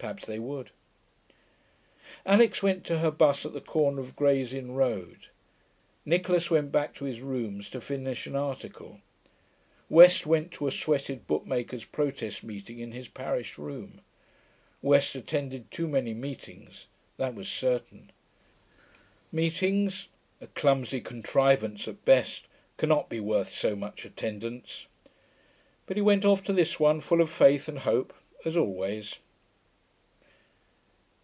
Perhaps they would.... Alix went to her bus at the corner of Gray's Inn Road. Nicholas went back to his rooms to finish an article. West went to a Sweated Bootmakers' protest meeting in his parish room. West attended too many meetings: that was certain. Meetings, a clumsy contrivance at best, cannot be worth so much attendance. But he went off to this one full of faith and hope, as always.